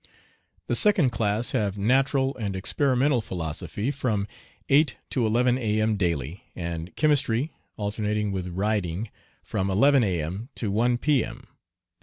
The second class have natural and experimental philosophy from 8 to 11 A.M. daily, and chemistry, alternating with riding, from 11 A.M. to 1 P.M.